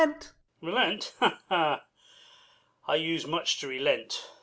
Light. Relent! ha, ha! I use much to relent.